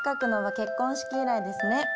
結婚式以来ですね。